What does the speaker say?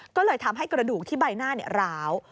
ก็เลยทำให้กระดูกที่ใบหน้าร้าว